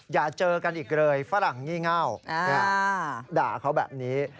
อย่าเจอกันอีกเลยฝรั่งงี่เง่าด่าเขาแบบนี้